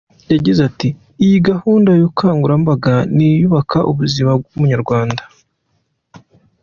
Yagize ati “Iyi gahunda y’ubukangurambaga ni iyubaka ubuzima bw’Umunyarwanda.